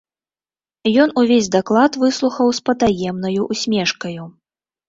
Ён увесь даклад выслухаў з патаемнаю ўсмешкаю.